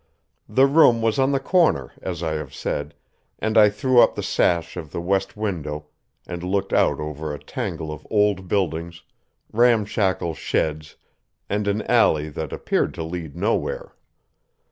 The room was on the corner, as I have said, and I threw up the sash of the west window and looked out over a tangle of old buildings, ramshackle sheds, and an alley that appeared to lead nowhere.